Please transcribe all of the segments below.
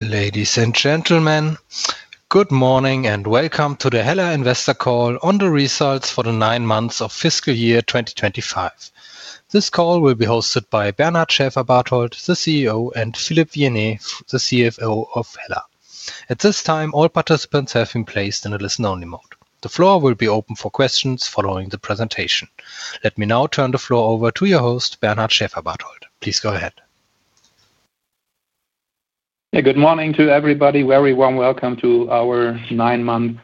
Ladies and gentlemen, good morning and welcome to the HELLA Investor Call on the results for the nine months of fiscal year 2025. This call will be hosted by Bernard Schäferbarthold, the CEO, and Philippe Vienney, the CFO of HELLA. At this time, all participants have been placed in the listen-only mode. The floor will be open for questions following the presentation. Let me now turn the floor over to your host, Bernard Schäferbarthold. Please go ahead. Yeah, good morning to everybody. Very warm welcome to our nine-month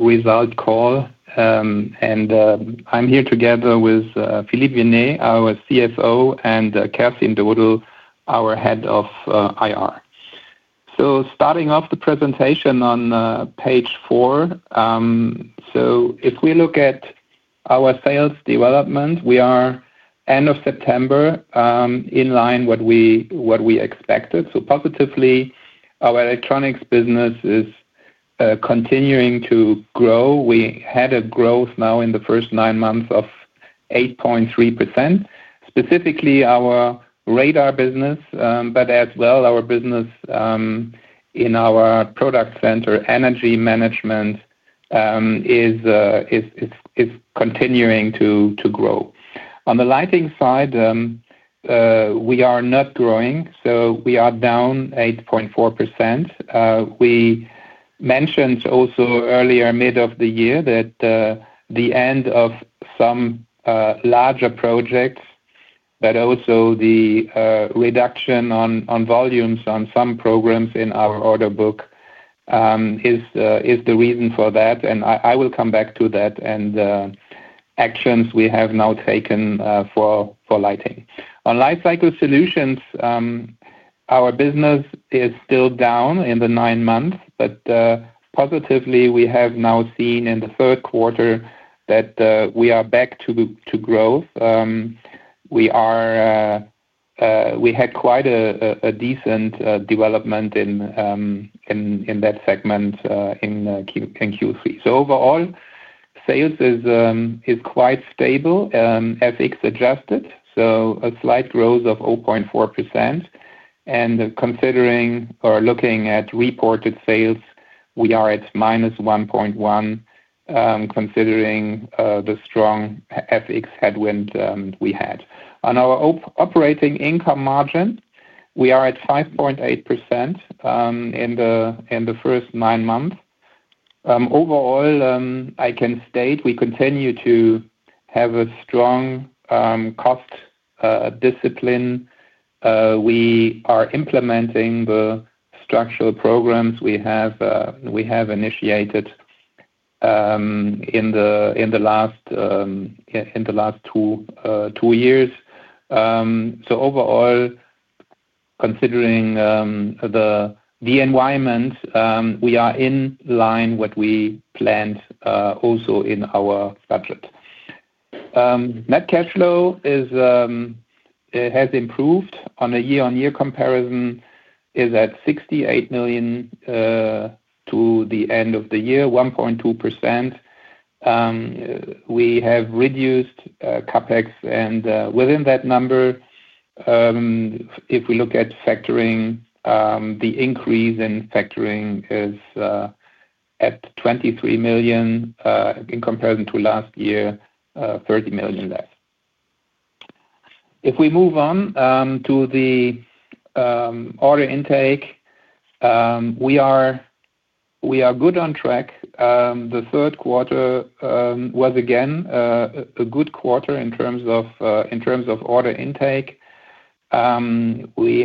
result call. I'm here together with Philippe Vienney, our CFO, and Kerstin Dodel, our Head of IR. Starting off the presentation on page four, if we look at our sales development, we are end of September, in line with what we expected. Positively, our electronics business is continuing to grow. We had a growth now in the first nine months of 8.3%. Specifically, our radar business, but as well our business in our product center, energy management, is continuing to grow. On the Lighting side, we are not growing, we are down 8.4%. We mentioned also earlier mid of the year that the end of some larger projects, but also the reduction on volumes on some programs in our order book, is the reason for that. I will come back to that and actions we have now taken for lighting. On Lifecycle Solutions, our business is still down in the nine months, but, positively, we have now seen in the third quarter that we are back to growth. We had quite a decent development in that segment in Q3. Overall, sales is quite stable, FX adjusted, so a slight growth of 0.4%. Considering or looking at reported sales, we are at -1.1%. Considering the strong FX headwind we had. On our operating income margin, we are at 5.8% in the first nine months. Overall, I can state we continue to have a strong cost discipline. We are implementing the structural programs we have initiated in the last two years. So overall, considering the environment, we are in line with what we planned, also in our budget. Net cash flow has improved. On a year-on-year comparison, it's at 68 million, to the end of the year, 1.2%. We have reduced CapEx, and within that number, if we look at factoring, the increase in factoring is at 23 million in comparison to last year, 30 million less. If we move on to the order intake, we are good on track. The third quarter was again a good quarter in terms of order intake. We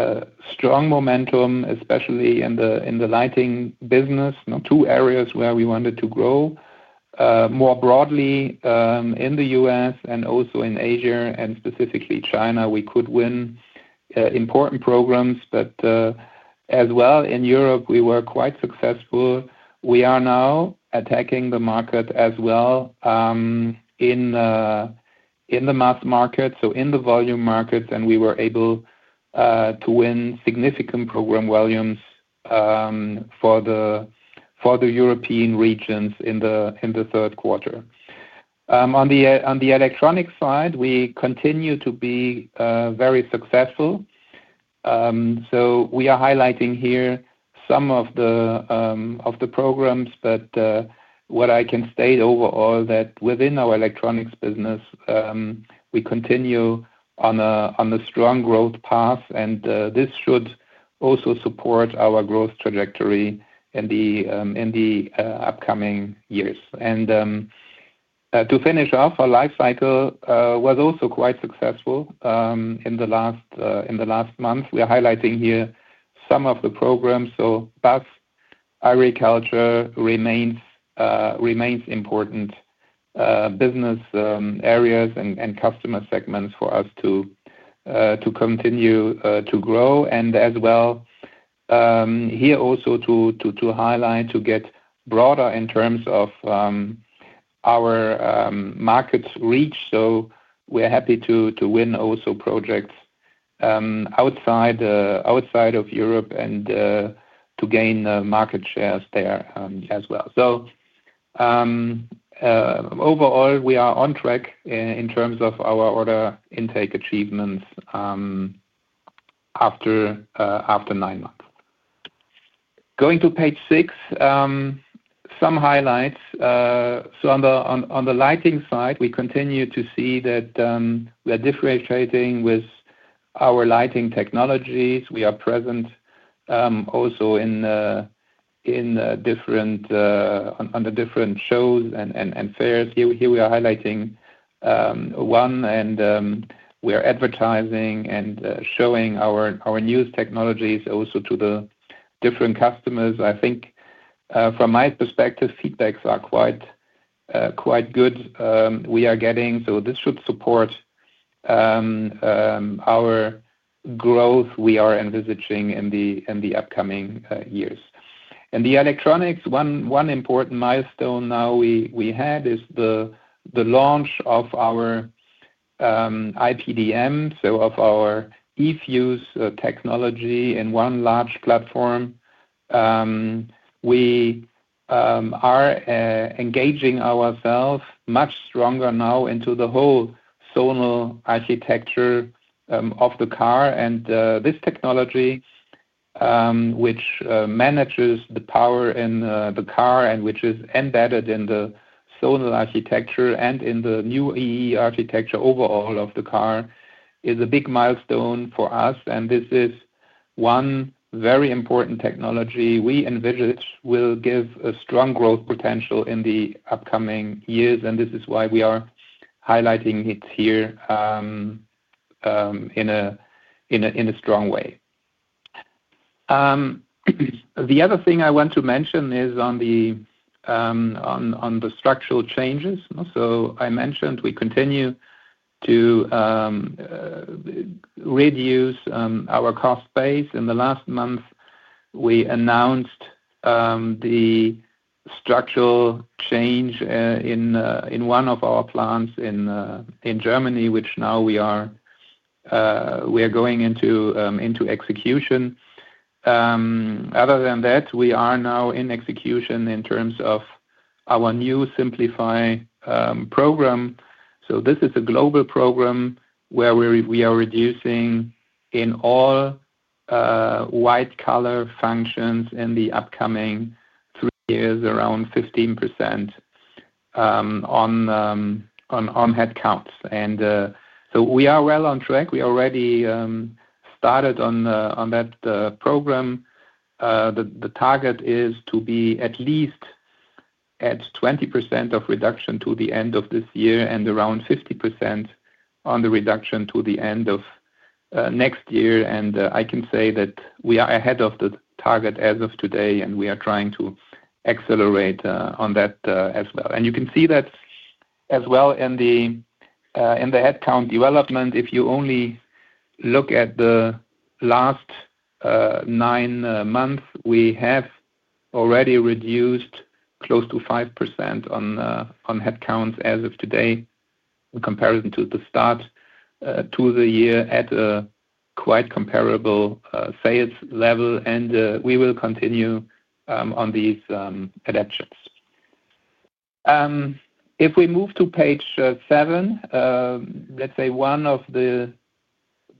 had strong momentum, especially in the Lighting business, you know, two areas where we wanted to grow more broadly, in the U.S. and also in Asia, and specifically China, we could win important programs. As well, in Europe, we were quite successful. We are now attacking the market as well, in the mass market, so in the volume markets, and we were able to win significant program volumes for the European regions in the third quarter. On the electronics side, we continue to be very successful. We are highlighting here some of the programs, but what I can state overall is that within our electronics business, we continue on a strong growth path, and this should also support our growth trajectory in the upcoming years. To finish off, our Lifecycle was also quite successful in the last month. We are highlighting here some of the programs. BASF, IRI Culture remains important business areas and customer segments for us to continue to grow as well. Here also to highlight, to get broader in terms of our market reach. We are happy to win also projects outside of Europe and to gain market shares there as well. Overall, we are on track in terms of our order intake achievements after nine months. Going to page six, some highlights. On the Lighting side, we continue to see that we are differentiating with our Lighting technologies. We are present also in different shows and fairs. Here we are highlighting one, and we are advertising and showing our newest technologies also to the different customers. I think, from my perspective, feedbacks are quite good, we are getting. This should support our growth we are envisaging in the upcoming years. The electronics, one important milestone now we had is the launch of our iPDM, so of our eFuse technology in one large platform. We are engaging ourselves much stronger now into the whole zonal architecture of the car. This technology, which manages the power in the car and which is embedded in the zonal architecture and in the new E/E architecture overall of the car, is a big milestone for us. This is one very important technology we envisage will give a strong growth potential in the upcoming years. This is why we are highlighting it here in a strong way. The other thing I want to mention is on the structural changes. I mentioned we continue to reduce our cost base. In the last month, we announced the. Structural change in one of our plants in Germany, which now we are going into execution. Other than that, we are now in execution in terms of our new SIMPLIFY program. This is a global program where we are reducing in all white-collar functions in the upcoming three years around 15% on head counts. We are well on track. We already started on that program. The target is to be at least at 20% of reduction to the end of this year and around 50% on the reduction to the end of next year. I can say that we are ahead of the target as of today, and we are trying to accelerate on that as well. You can see that as well in the head count development. If you only look at the last nine months, we have already reduced close to 5% on head counts as of today in comparison to the start to the year at a quite comparable sales level. We will continue on these adaptions. If we move to page seven, let's say one of the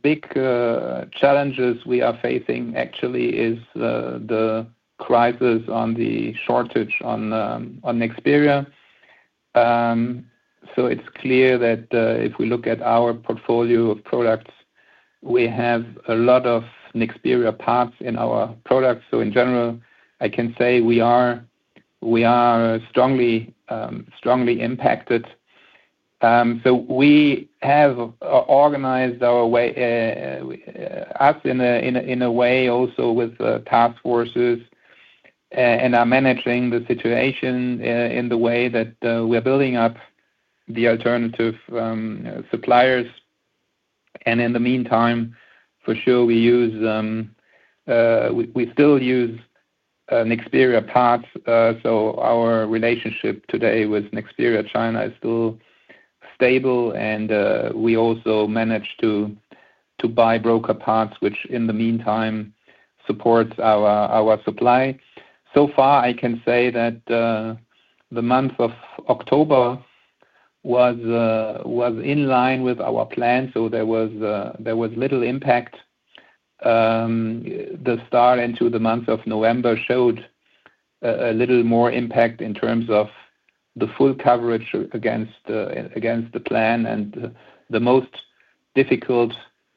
big challenges we are facing actually is the crisis on the shortage on Nexperia. It is clear that if we look at our portfolio of products, we have a lot of Nexperia parts in our products. In general, I can say we are strongly, strongly impacted. We have organized ourselves in a way also with task forces and are managing the situation in the way that we are building up the alternative suppliers. In the meantime, for sure, we use, we still use Nexperia parts. Our relationship today with Nexperia China is still stable. We also manage to buy broker parts, which in the meantime supports our supply. So far, I can say that the month of October was in line with our plan. There was little impact. The start into the month of November showed a little more impact in terms of the full coverage against the plan. The most difficult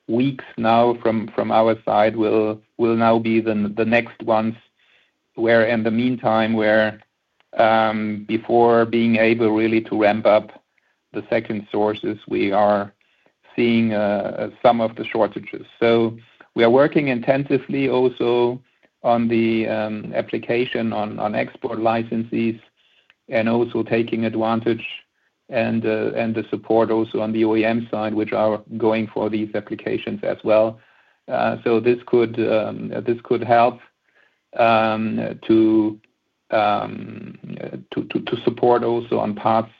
weeks now from our side will be the next ones where, in the meantime, before being able really to ramp up the second sources, we are seeing some of the shortages. We are working intensively also on the application on export licenses and also taking advantage and the support also on the OEM side, which are going for these applications as well. This could help to support also on parts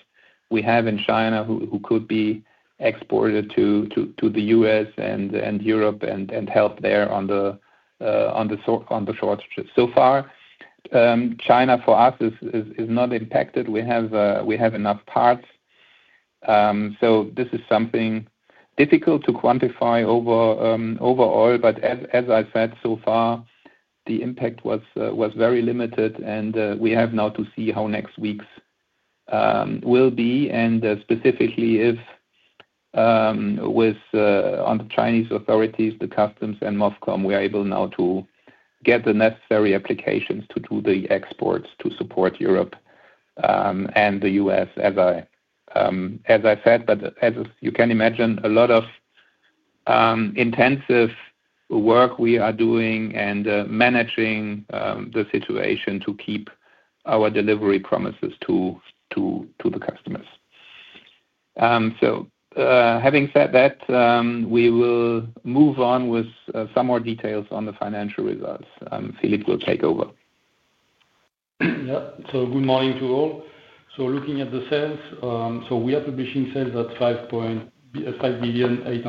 we have in China who could be exported to the U.S. and Europe and help there on the shortages. So far, China for us is not impacted. We have enough parts. This is something difficult to quantify overall. As I said, so far, the impact was very limited. We have now to see how next weeks will be, and specifically if. With, on the Chinese authorities, the customs and MOFCOM, we are able now to get the necessary applications to do the exports to support Europe and the U.S., as I said. As you can imagine, a lot of intensive work we are doing and managing the situation to keep our delivery promises to the customers. Having said that, we will move on with some more details on the financial results. Philippe will take over. Yeah. Good morning to all. Looking at the sales, we are publishing sales at 5,868 billion,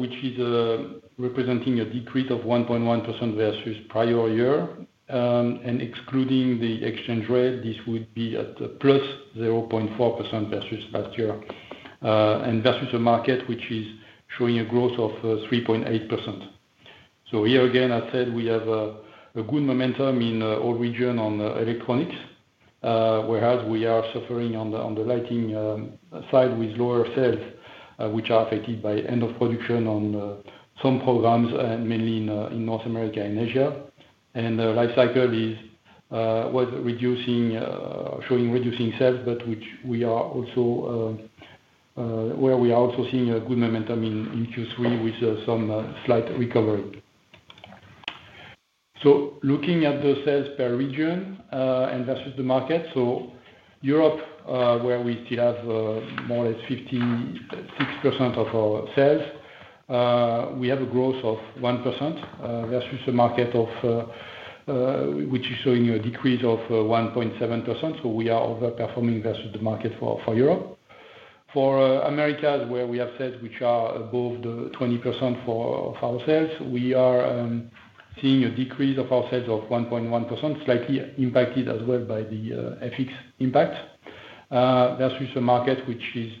which is representing a decrease of 1.1% versus prior year. Excluding the exchange rate, this would be at +0.4% versus last year, and versus a market which is showing a growth of 3.8%. Here again, I said we have a good momentum in all region on electronics, whereas we are suffering on the Lighting side with lower sales, which are affected by end of production on some programs and mainly in North America and Asia. The Lifecycle is, was reducing, showing reducing sales, but which we are also, where we are also seeing a good momentum in Q3 with some slight recovery. Looking at the sales per region, and versus the market, Europe, where we still have more or less 56% of our sales, we have a growth of 1% versus the market, which is showing a decrease of 1.7%. We are overperforming versus the market for Europe. For Americas, where we have sales which are above 20% of our sales, we are seeing a decrease of our sales of 1.1%, slightly impacted as well by the FX impact, versus the market which is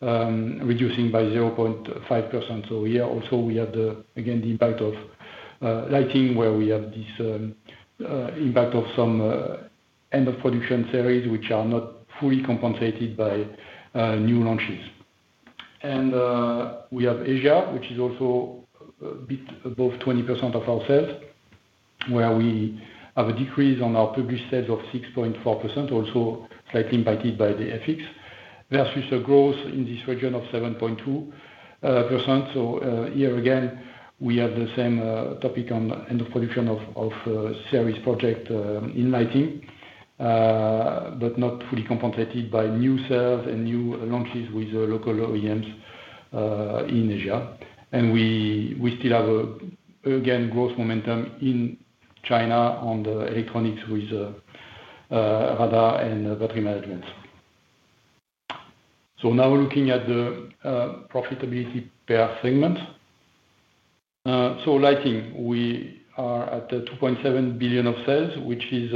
reducing by 0.5%. Here also we have the impact of Lighting where we have this impact of some end of production series which are not fully compensated by new launches. We have Asia, which is also a bit above 20% of our sales, where we have a decrease on our published sales of 6.4%, also slightly impacted by the FX versus a growth in this region of 7.2%. Here again, we have the same topic on end of production of series project in lighting, but not fully compensated by new sales and new launches with local OEMs in Asia. We still have, again, growth momentum in China on the electronics with radar and battery management. Now looking at the profitability per segment. Lighting, we are at 2.7 billion of sales, which is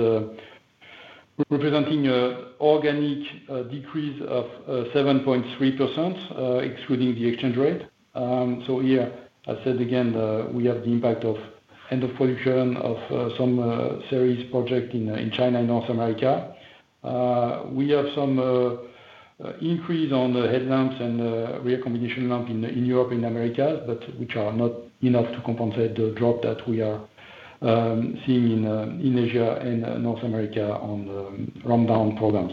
representing an organic decrease of 7.3%, excluding the exchange rate. Here, I said again, we have the impact of end of production of some series project in China and North America. We have some increase on the headlamps and rear combination lamp in Europe, in Americas, but which are not enough to compensate the drop that we are seeing in Asia and North America on rundown programs.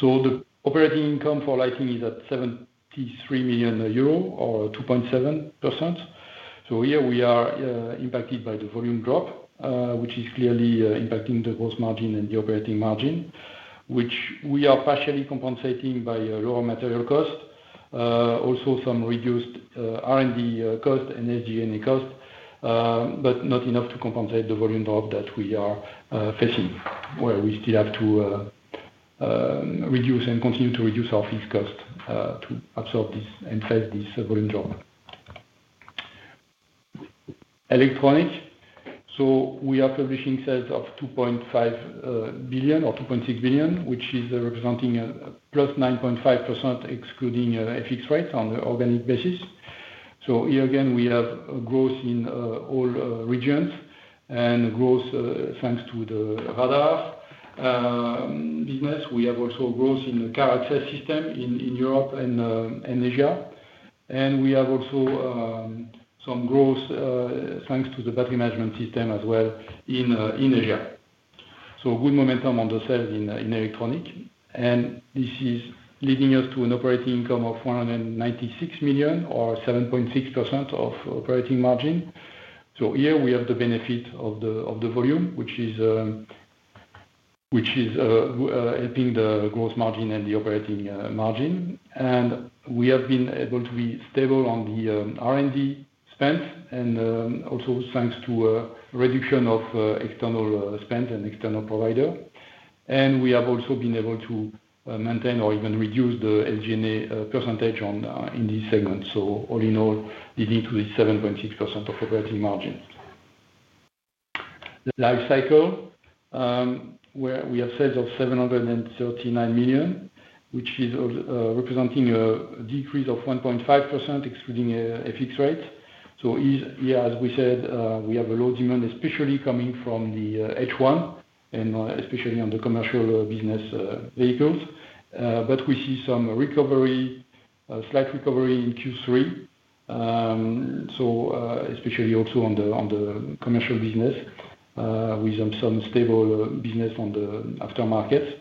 The operating income for Lighting is at 73 million euro or 2.7%. Here we are, impacted by the volume drop, which is clearly impacting the gross margin and the operating margin, which we are partially compensating by lower material cost, also some reduced R&D cost and SG&E cost, but not enough to compensate the volume drop that we are facing, where we still have to reduce and continue to reduce our fixed cost to absorb this and face this volume drop. Electronics, we are publishing sales of 2.5 billion or 2.6 billion, which is representing a +9.5% excluding FX rates on the organic basis. Here again, we have growth in all regions and growth thanks to the radar business. We have also growth in the car access system in Europe and Asia. We have also some growth thanks to the battery management system as well in Asia. Good momentum on the sales in electronics. This is leading us to an operating income of 196 million or 7.6% operating margin. Here we have the benefit of the volume, which is helping the gross margin and the operating margin. We have been able to be stable on the R&D spend and also thanks to reduction of external spend and external provider. We have also been able to maintain or even reduce the SG&E percentage in these segments. All in all, leading to the 7.6% operating margin. Lifecycle, where we have sales of 739 million, which is representing a decrease of 1.5% excluding FX rate. Here, as we said, we have a low demand, especially coming from the H1 and especially on the commercial business vehicles. but we see some recovery, slight recovery in Q3. so, especially also on the, on the commercial business. we have some stable, business on the aftermarket.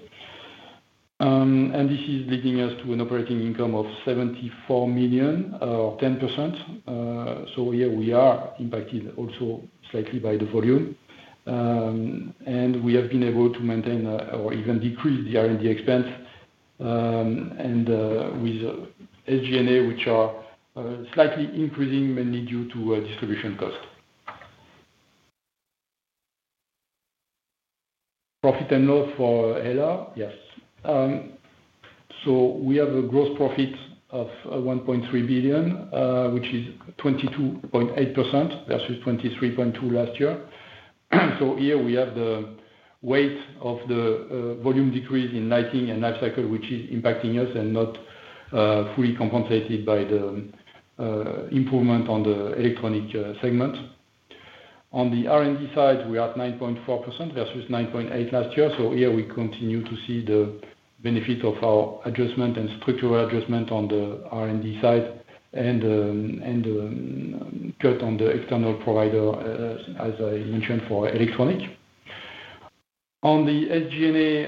and this is leading us to an operating income of 74 million or 10%. so here we are impacted also slightly by the volume. and we have been able to maintain, or even decrease the R&D expense, and, with SG&E, which are, slightly increasing mainly due to, distribution cost. Profit and loss for HELLA, yes. so we have a gross profit of 1.3 billion, which is 22.8% versus 23.2% last year. so here we have the weight of the, volume decrease in Lighting and Lifecycle, which is impacting us and not, fully compensated by the, improvement on the electronic, segment. on the R&D side, we are at 9.4% versus 9.8% last year. Here we continue to see the benefit of our adjustment and structural adjustment on the R&D side and cut on the external provider, as I mentioned for electronics. On the SG&E,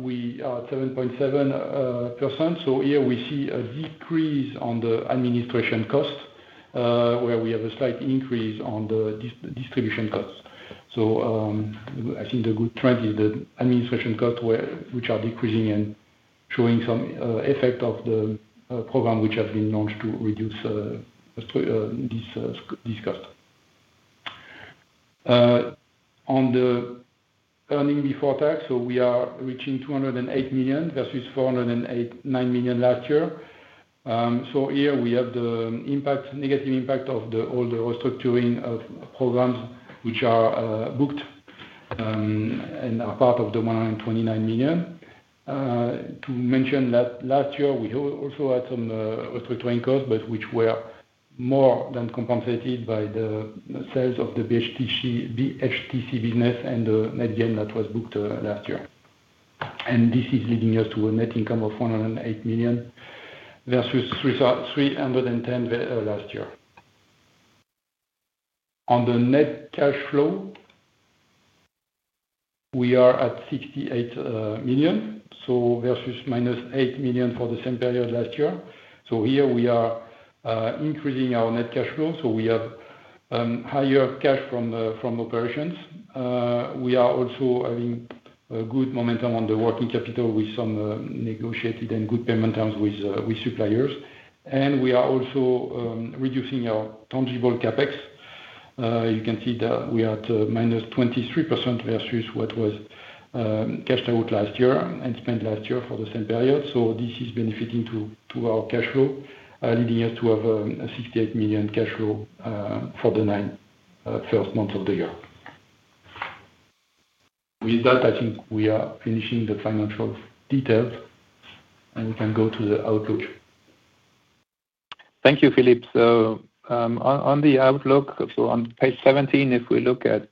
we are at 7.7%. Here we see a decrease on the administration cost, where we have a slight increase on the distribution costs. I think the good trend is the administration cost, which are decreasing and showing some effect of the program which has been launched to reduce this cost. On the earning before tax, we are reaching 208 million versus 409 million last year. Here we have the negative impact of the older restructuring of programs which are booked and are part of the 129 million. To mention that last year we also had some restructuring costs, but which were more than compensated by the sales of the BHTC business and the net gain that was booked last year. This is leading us to a net income of 108 million versus 310 million last year. On the net cash flow, we are at 68 million, versus - 8 million for the same period last year. Here we are increasing our net cash flow. We have higher cash from operations. We are also having a good momentum on the working capital with some negotiated and good payment terms with suppliers. We are also reducing our tangible CapEx. You can see that we are at -23% versus what was cashed out last year and spent last year for the same period. This is benefiting to our cash flow, leading us to have a 68 million cash flow for the first nine months of the year. With that, I think we are finishing the financial details. We can go to the outlook. Thank you, Philippe. On the outlook, on page 17, if we look at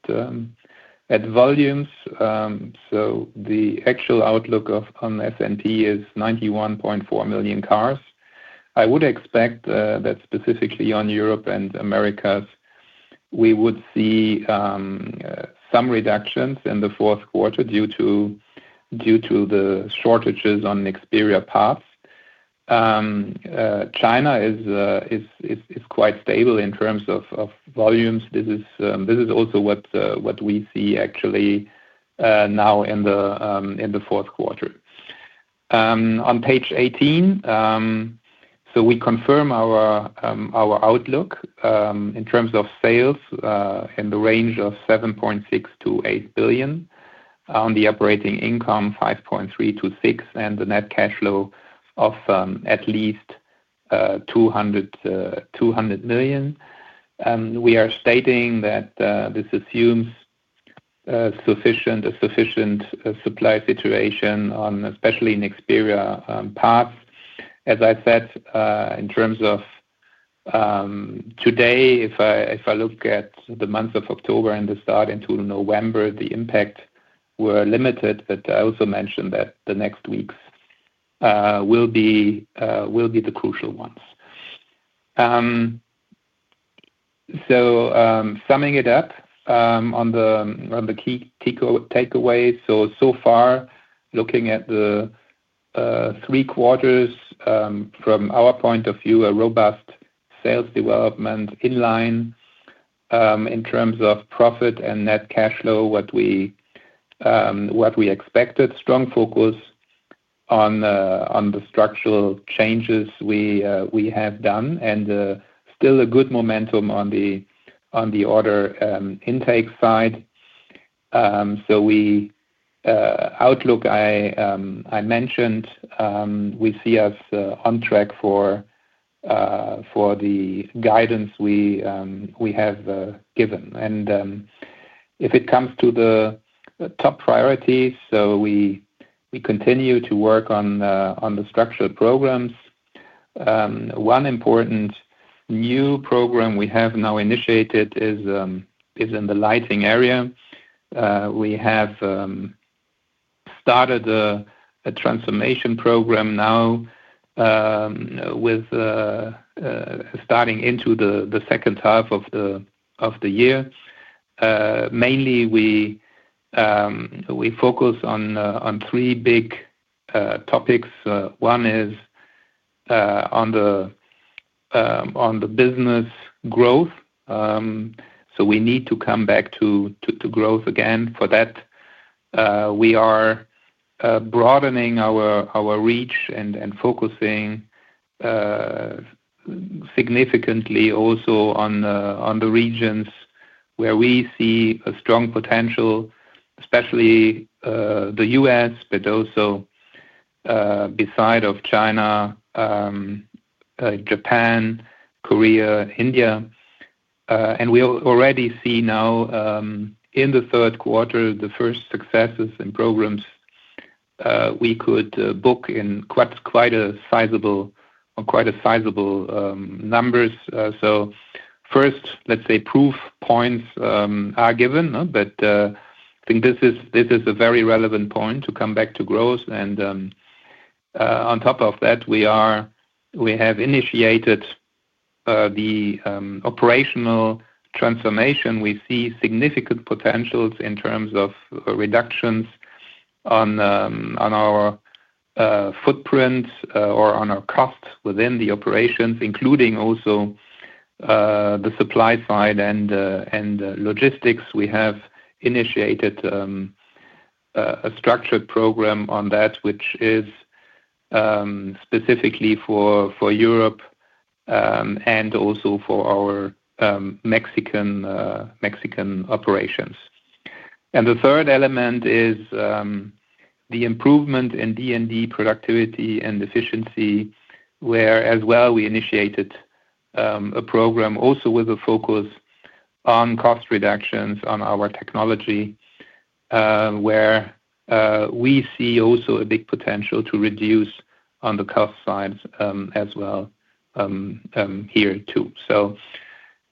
volumes, the actual outlook on S&P is 91.4 million cars. I would expect that specifically in Europe and Americas, we would see some reductions in the fourth quarter due to the shortages on Nexperia parts. China is quite stable in terms of volumes. This is also what we see actually now in the fourth quarter. On page 18, we confirm our outlook in terms of sales in the range of 7.6 billion-8 billion. On the operating income, 5.3-6, and the net cash flow of at least 200 million. We are stating that this assumes a sufficient supply situation on especially Nexperia parts. As I said, in terms of today, if I look at the month of October and the start into November, the impact were limited, but I also mentioned that the next weeks will be the crucial ones. Summing it up, on the key takeaways, so far, looking at the three quarters, from our point of view, a robust sales development inline, in terms of profit and net cash flow, what we expected, strong focus on the structural changes we have done, and still a good momentum on the order intake side. We, outlook, I mentioned, we see us on track for the guidance we have given. If it comes to the top priorities, we continue to work on the structural programs. One important new program we have now initiated is in the Lighting area. We have started a transformation program now, starting into the second half of the year. Mainly, we focus on three big topics. One is on the business growth. We need to come back to growth again. For that, we are broadening our reach and focusing significantly also on the regions where we see strong potential, especially the U.S., but also, beside China, Japan, Korea, India. We already see now, in the third quarter, the first successes and programs. We could book in quite a sizable numbers. First, let's say proof points are given, but I think this is a very relevant point to come back to growth. On top of that, we have initiated the operational transformation. We see significant potentials in terms of reductions on our footprint or on our costs within the operations, including also the supply side and logistics. We have initiated a structured program on that, which is specifically for Europe and also for our Mexican operations. The third element is the improvement in D&D productivity and efficiency, where as well we initiated a program also with a focus on cost reductions on our technology, where we see also a big potential to reduce on the cost sides as well here too.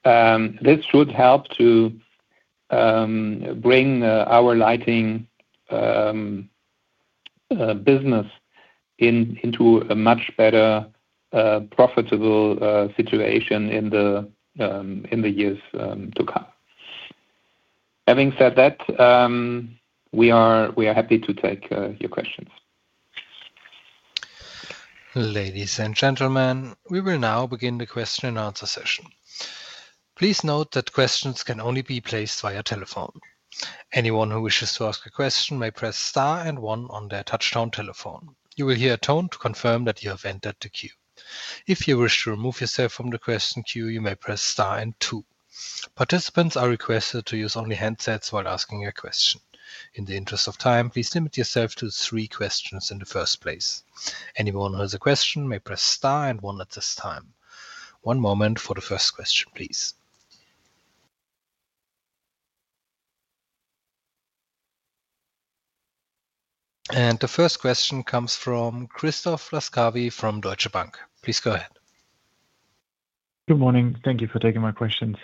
This should help to. bring our Lighting business into a much better, profitable situation in the years to come. Having said that, we are happy to take your questions. Ladies and gentlemen, we will now begin the question and answer session. Please note that questions can only be placed via telephone. Anyone who wishes to ask a question may press star and one on their touch-tone telephone. You will hear a tone to confirm that you have entered the queue. If you wish to remove yourself from the question queue, you may press star and two. Participants are requested to use only handsets while asking a question. In the interest of time, please limit yourself to three questions in the first place. Anyone who has a question may press star and one at this time. One moment for the first question, please. The first question comes from Christoph Laskawi from Deutsche Bank. Please go ahead. Good morning. Thank you for taking my questions.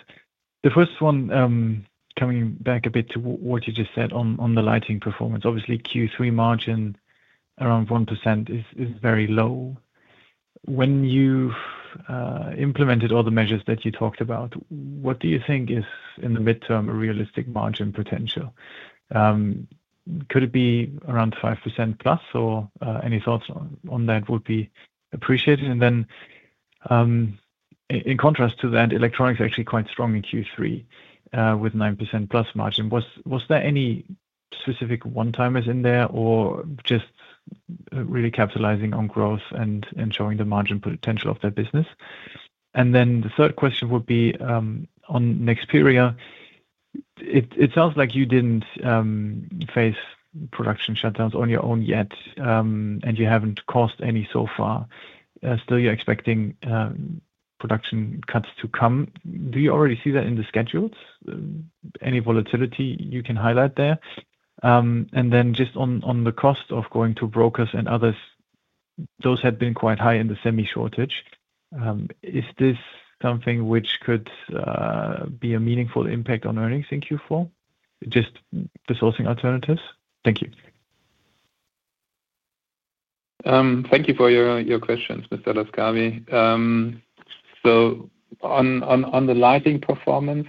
The first one, coming back a bit to what you just said on the Lighting performance, obviously Q3 margin around 1% is very low. When you implemented all the measures that you talked about, what do you think is in the midterm a realistic margin potential? Could it be around 5%+ or any thoughts on that would be appreciated? In contrast to that, electronics are actually quite strong in Q3, with 9%+ margin. Was there any specific one-timers in there or just really capitalizing on growth and showing the margin potential of that business? The third question would be on Nexperia. It sounds like you did not face production shutdowns on your own yet, and you have not caused any so far. Still, you are expecting production cuts to come. Do you already see that in the schedules? Any volatility you can highlight there? And then just on the cost of going to brokers and others, those had been quite high in the semi-shortage. Is this something which could be a meaningful impact on earnings in Q4? Just the sourcing alternatives? Thank you. Thank you for your questions, Mr. Laskawi. On the Lighting performance,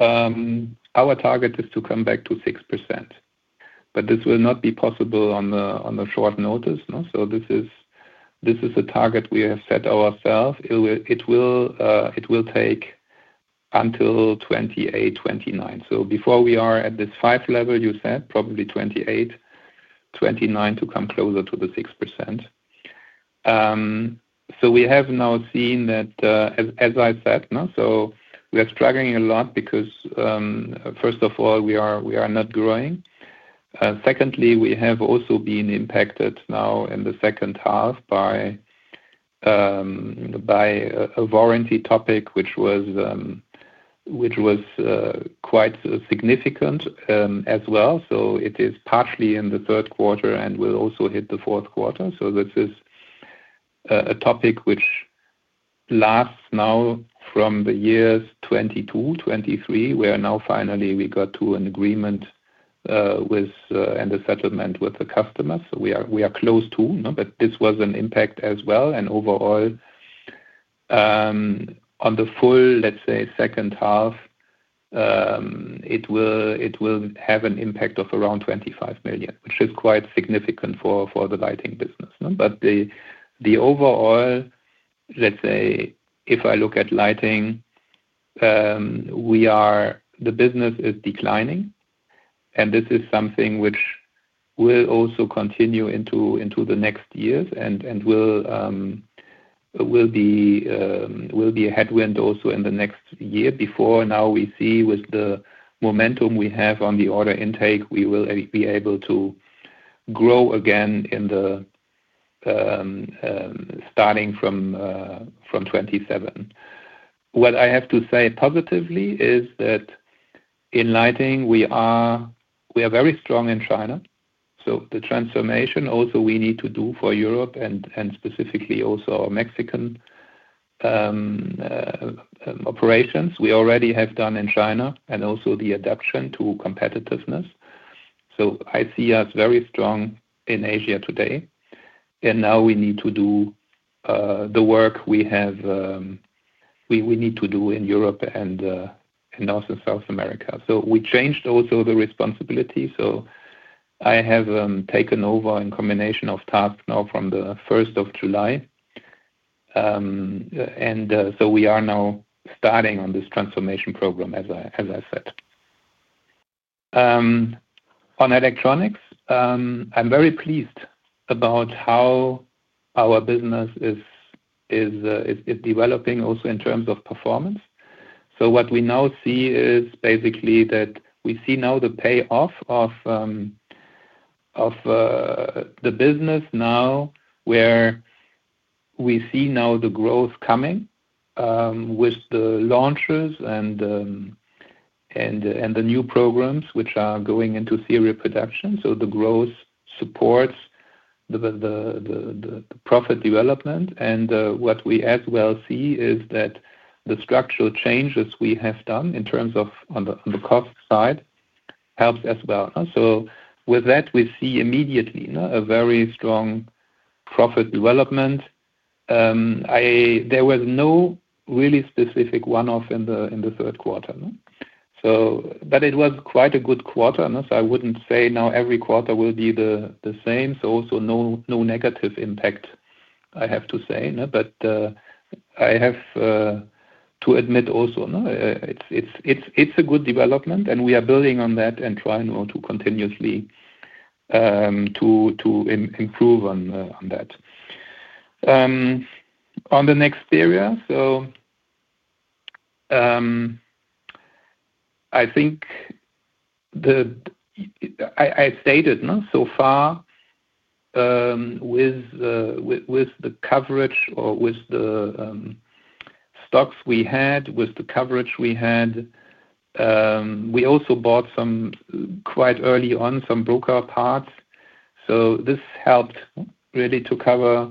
our target is to come back to 6%. This will not be possible on short notice, no? This is a target we have set ourselves. It will take until 2028, 2029. Before we are at this five level, you said, probably 2028. To come closer to the 6%. We have now seen that, as I said, no? We are struggling a lot because, first of all, we are not growing. Secondly, we have also been impacted now in the second half by a warranty topic, which was quite significant as well. It is partially in the third quarter and will also hit the fourth quarter. This is a topic which lasts now from the years 2022, 2023, where now finally we got to an agreement with, and a settlement with the customers. We are close to, no? This was an impact as well. Overall, on the full, let's say, second half, it will have an impact of around 25 million, which is quite significant for the Lighting business, no? The overall. Let's say, if I look at Lighting, we are, the business is declining. This is something which will also continue into the next years and will be a headwind also in the next year. Before now we see with the momentum we have on the order intake, we will be able to grow again starting from 2027. What I have to say positively is that in lighting, we are very strong in China. The transformation also we need to do for Europe and specifically also our Mexican operations, we already have done in China and also the adaption to competitiveness. I see us very strong in Asia today. Now we need to do the work we need to do in Europe and North and South America. We changed also the responsibility. I have taken over in combination of tasks now from the 1st of July, and we are now starting on this transformation program, as I said. On electronics, I'm very pleased about how our business is developing also in terms of performance. What we now see is basically that we see now the payoff of the business now where we see the growth coming with the launches and the new programs which are going into serial production. The growth supports the profit development. What we as well see is that the structural changes we have done in terms of on the cost side help as well, no? With that, we see immediately, no, a very strong profit development. There was no really specific one-off in the third quarter, no? It was quite a good quarter, no? I would not say now every quarter will be the same. Also, no negative impact, I have to say, no? I have to admit also, no? It is a good development and we are building on that and trying to continuously improve on that. On the next area, I think, I stated, no? So far, with the coverage or with the stocks we had, with the coverage we had, we also bought some quite early on, some broker parts. This helped really to cover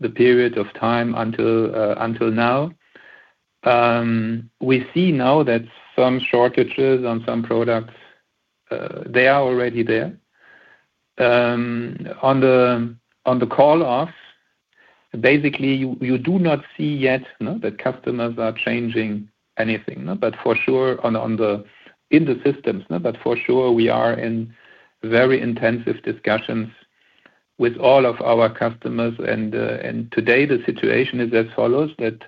the period of time until now. We see now that some shortages on some products, they are already there on the call-off. Basically, you do not see yet, no? That customers are changing anything, no? For sure, in the systems, no? For sure, we are in very intensive discussions with all of our customers. Today the situation is as follows: the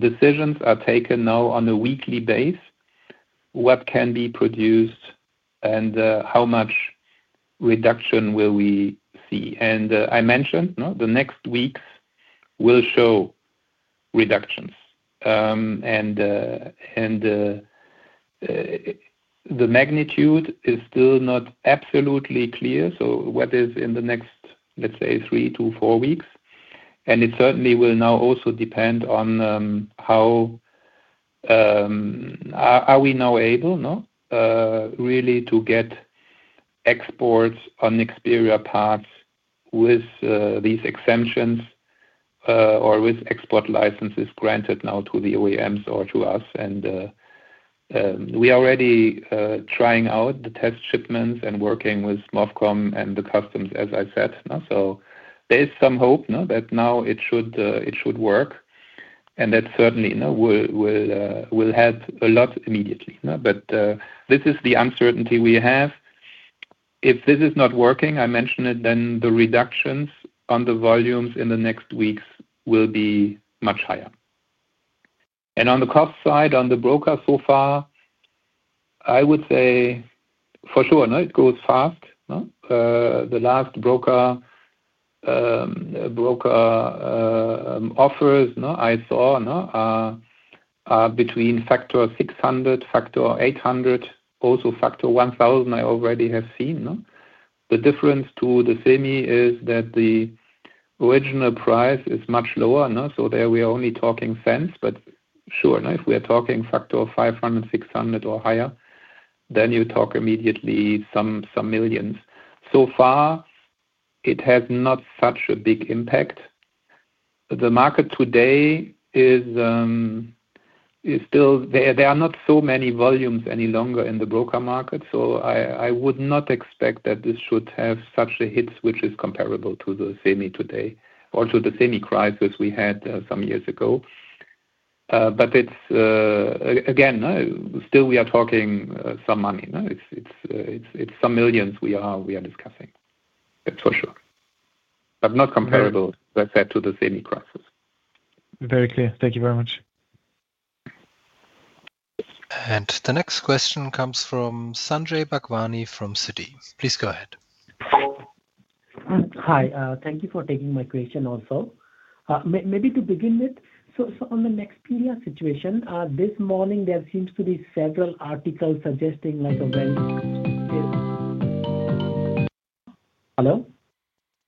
decisions are taken now on a weekly base. What can be produced and how much reduction will we see? I mentioned, no? The next weeks will show reductions, and the magnitude is still not absolutely clear. What is in the next, let's say, three, two, four weeks? It certainly will now also depend on how are we now able, no? really to get exports on Nexperia parts with these exemptions, or with export licenses granted now to the OEMs or to us. We are already trying out the test shipments and working with MOFCOM and the customs, as I said, no? There is some hope, no? That now it should work. That certainly, no? Will help a lot immediately, no? This is the uncertainty we have. If this is not working, I mentioned it, then the reductions on the volumes in the next weeks will be much higher. On the cost side, on the broker so far, I would say. For sure, no? It goes fast, no? The last broker offers, no? I saw, no? between factor 600, factor 800, also factor 1,000, I already have seen, no? The difference to the semi is that the original price is much lower, no? There we are only talking cents. But sure, no? If we are talking factor 500, 600, or higher, then you talk immediately some millions. So far, it has not such a big impact. The market today is still there, there are not so many volumes any longer in the broker market. I would not expect that this should have such a hit, which is comparable to the semi today, or to the semi crisis we had some years ago. Again, still we are talking some money, no? It is some millions we are discussing. That is for sure. Not comparable, as I said, to the semi crisis. Very clear. Thank you very much. The next question comes from Sanjay Bhagwani from Citi. Please go ahead. Hi, thank you for taking my question also. Maybe to begin with, on the Nexperia situation, this morning there seems to be several articles suggesting, like, well. Hello?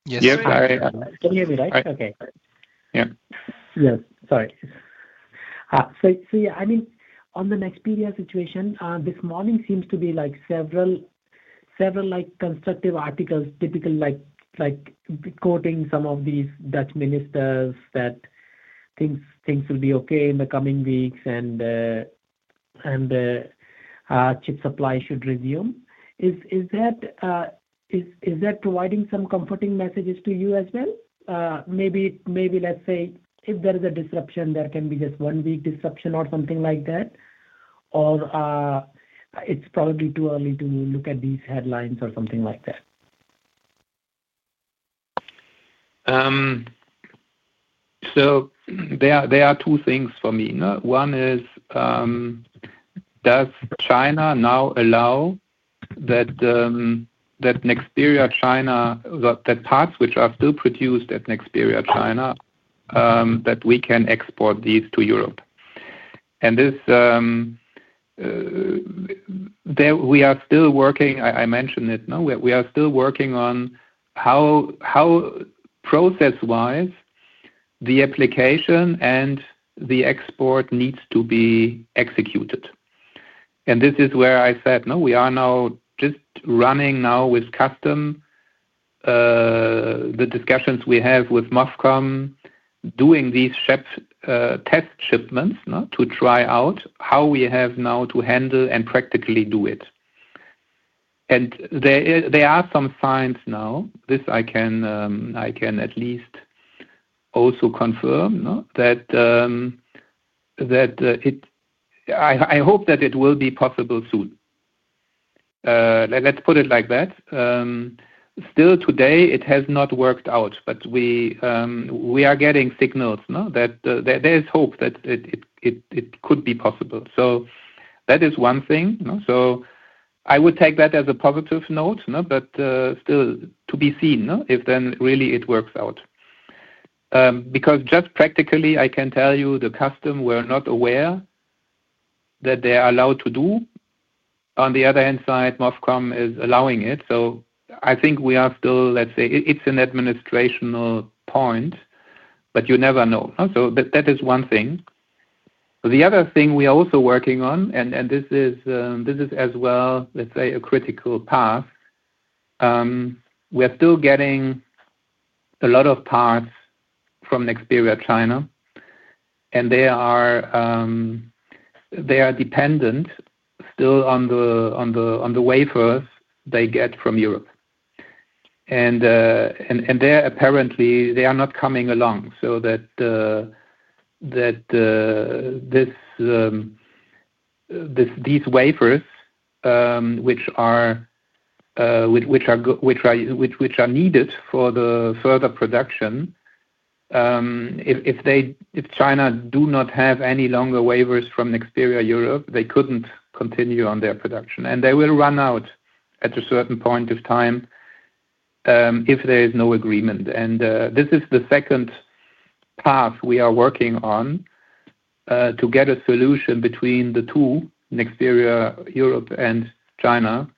Yes, you can. Can you hear me right? Okay. Yeah. Yes. Sorry. On the Nexperia situation, this morning seems to be several, like, constructive articles, typically quoting some of these Dutch ministers that things will be okay in the coming weeks and chip supply should resume. Is that providing some comforting messages to you as well? Maybe, let's say if there is a disruption, there can be just one week disruption or something like that. Or, it's probably too early to look at these headlines or something like that. There are two things for me, no? One is, Does China now allow that, that Nexperia China, that parts which are still produced at Nexperia China, that we can export these to Europe? There we are still working, I mentioned it, no? We are still working on how, how. Process-wise. The application and the export needs to be executed. This is where I said, no? We are now just running now with custom, the discussions we have with MOFCOM, doing these test shipments, no? To try out how we have now to handle and practically do it. There are some signs now. This I can, I can at least also confirm, no? That, that, I hope that it will be possible soon. Let's put it like that. Still today it has not worked out, but we are getting signals, no? There is hope that it could be possible. That is one thing, no? I would take that as a positive note, no? Still to be seen, no? If then really it works out. Because just practically I can tell you the custom were not aware that they are allowed to do. On the other hand side, MOFCOM is allowing it. I think we are still, let's say, it's an administrational point. You never know, no? That is one thing. The other thing we are also working on, and this is as well, let's say, a critical path. We are still getting a lot of parts from Nexperia China. They are dependent still on the wafers they get from Europe. They are apparently not coming along. That is, these wafers, which are needed for the further production. If China does not have any longer wafers from next period Europe, they could not continue on their production. They will run out at a certain point of time if there is no agreement. This is the second path we are working on to get a solution between the two, Nexperia Europe and China,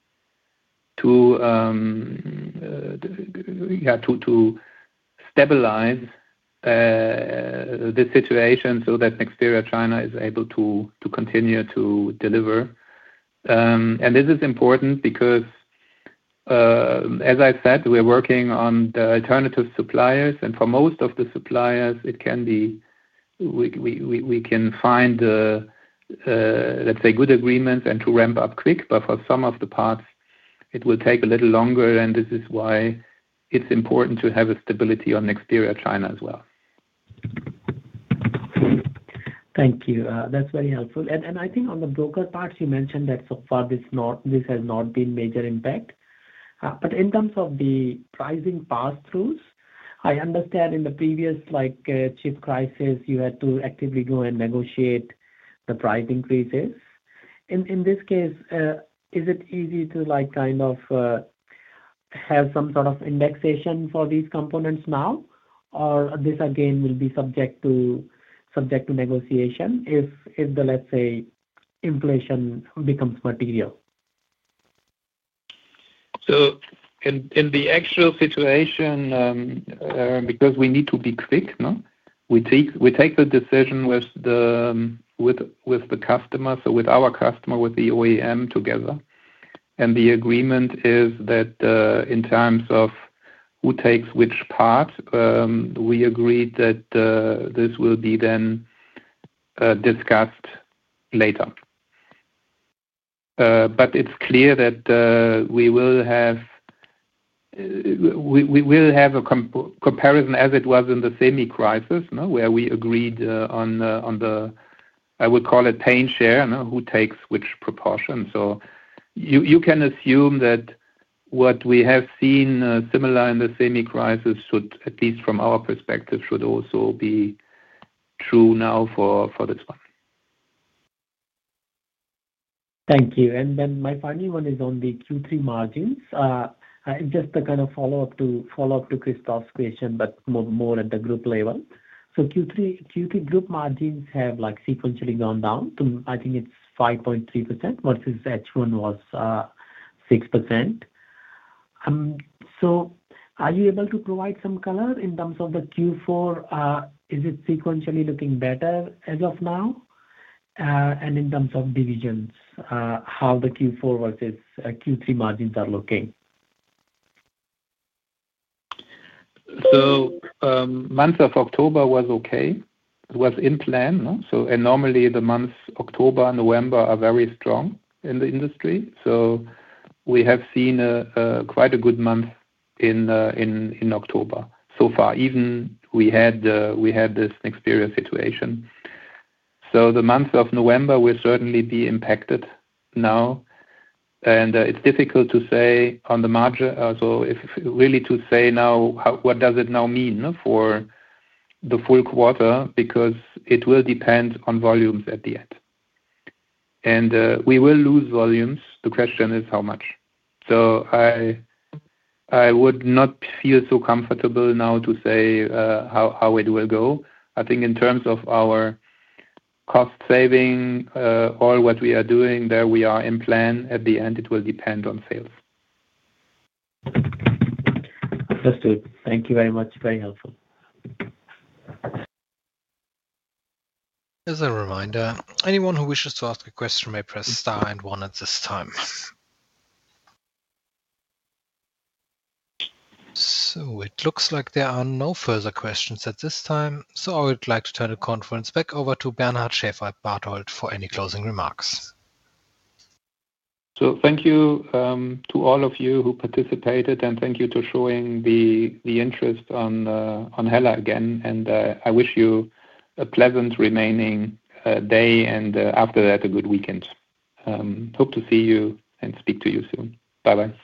to stabilize the situation so that Nexperia China is able to continue to deliver. This is important because, as I said, we are working on the alternative suppliers. For most of the suppliers, we can find, let's say, good agreements and ramp up quick. For some of the parts, it will take a little longer. This is why it is important to have stability on next period China as well. Thank you. That is very helpful. I think on the broker parts, you mentioned that so far this has not been a major impact. In terms of the pricing pass-throughs, I understand in the previous, like, chip crisis, you had to actively go and negotiate the price increases. In this case, is it easy to, like, kind of have some sort of indexation for these components now? Or will this again be subject to negotiation if, if the, let's say, inflation becomes material? In the actual situation, because we need to be quick, no? We take the decision with the customer, so with our customer, with the OEM together. The agreement is that, in terms of who takes which part, we agreed that this will be discussed later. It is clear that we will have a comparison as it was in the semi crisis, no? Where we agreed on, I would call it, pain share, no? Who takes which proportion. You can assume that what we have seen, similar in the semi crisis, should, at least from our perspective, also be true now for this one. Thank you. My final one is on the Q3 margins, just to kind of follow up to Christoph's question, but more at the group level. Q3 group margins have, like, sequentially gone down to, I think it is 5.3% versus H1 was 6%. Are you able to provide some color in terms of the Q4? Is it sequentially looking better as of now? And in terms of divisions, how the Q4 versus Q3 margins are looking? Month of October was okay. It was in plan, no? Normally the months October, November are very strong in the industry. We have seen quite a good month in October so far. Even we had this Nexperia situation. The month of November will certainly be impacted now. It's difficult to say on the margin, so if really to say now, what does it now mean, no? For the full quarter because it will depend on volumes at the end. We will lose volumes. The question is how much. I would not feel so comfortable now to say how it will go. I think in terms of our cost saving, all what we are doing, there we are in plan. At the end, it will depend on sales. That's good. Thank you very much. Very helpful. As a reminder, anyone who wishes to ask a question may press star and one at this time. It looks like there are no further questions at this time. I would like to turn the conference back over to Bernard Schäferbarthold for any closing remarks. Thank you to all of you who participated. And thank you for showing the interest on HELLA again. I wish you a pleasant remaining day and, after that, a good weekend. Hope to see you and speak to you soon. Bye-bye.